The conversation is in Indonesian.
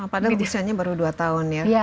padahal desainnya baru dua tahun ya